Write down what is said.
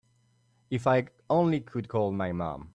If I only could call my mom.